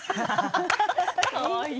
かわいい。